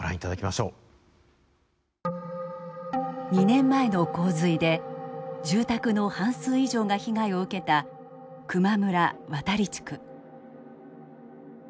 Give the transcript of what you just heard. ２年前の洪水で住宅の半数以上が被害を受けた球磨村渡地区。